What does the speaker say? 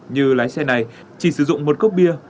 như lái xe này chỉ sử dụng một cốc bia